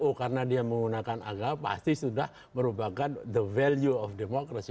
oh karena dia menggunakan agama pasti sudah merupakan the value of democracy